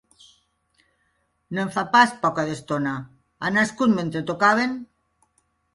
No en fa pas poca d'estona, ha nascut mentre tocaven